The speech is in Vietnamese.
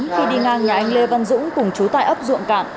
khi đi ngang nhà anh lê văn dũng cùng chú tại ấp ruộng cạn